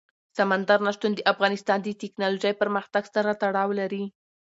سمندر نه شتون د افغانستان د تکنالوژۍ پرمختګ سره تړاو لري.